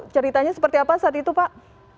ceritanya seperti apa saat itu pak